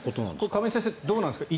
亀井先生どうなんですか？